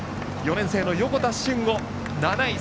４年生の横田俊吾、７位。